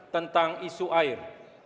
tentang isu air